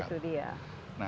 nah itu dia